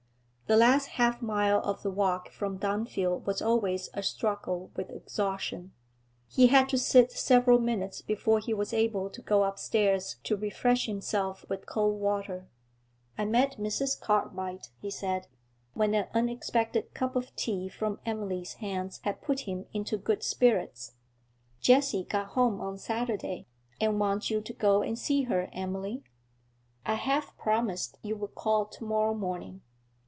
The last half mile of the walk from Dunfield was always a struggle with exhaustion. He had to sit several minutes before he was able to go upstairs to refresh himself with cold water. 'I met Mrs. Cartwright,' he said, when an unexpected cup of tea from Emily's hands had put him into good spirits. 'Jessie got home on Saturday, and wants you to go and see her, Emily. I half promised you would call to morrow morning.'